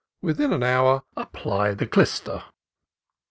Within an hour apply the clyster.